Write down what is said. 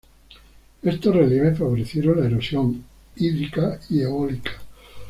Estos relieves favorecieron la erosión hídrica y eólica.